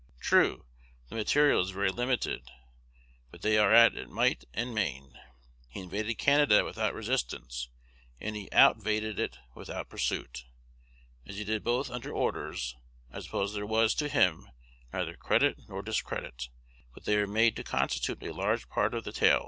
True, the material is very limited, but they are at it might and main. He invaded Canada without resistance, and he _out_vaded it without pursuit. As he did both under orders, I suppose there was, to him, neither credit nor discredit; but they are made to constitute a large part of the tail.